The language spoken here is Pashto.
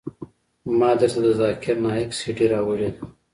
ما درته د ذاکر نايک سي ډي راوړې ده.